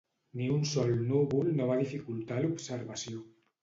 Ni un sol núvol no va dificultar l'observació.